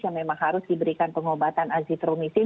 yang memang harus diberikan pengobatan azitromisin